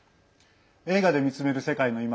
「映画で見つめる世界のいま」。